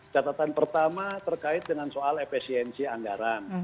catatan pertama terkait dengan soal efisiensi anggaran